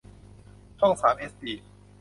ช่องสามเอชดี